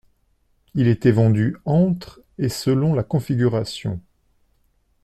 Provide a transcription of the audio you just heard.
Il était vendu entre et selon la configuration.